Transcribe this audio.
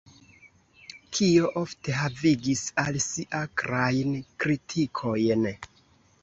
Kio ofte havigis al si akrajn kritikojn.